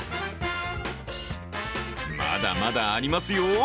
まだまだありますよ。